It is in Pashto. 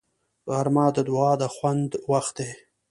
غرمه د دعا د خوند وخت دی